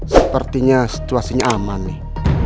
sepertinya situasinya aman nih